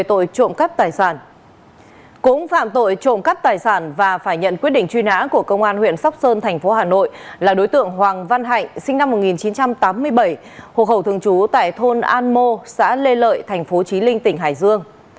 đối tượng hoàng văn hạnh sinh năm một nghìn chín trăm tám mươi bảy hộ khẩu thường trú tại thôn an mô xã lê lợi tp chí linh tỉnh hải dương